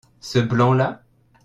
Ce blanc-là.